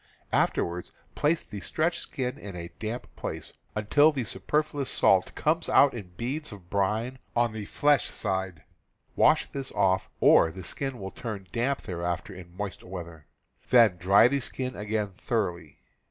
Afterwards place the stretched skin in a damp place, until the superfluous salt comes out in beads of brine on the flesh side ; wash this off, or the skin will turn damp thereafter in moist weather; then dry the skin again thoroughly.